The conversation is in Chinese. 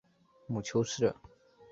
母丘氏。